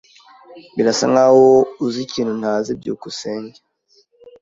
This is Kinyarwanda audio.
Birasa nkaho uzi ikintu ntazi. byukusenge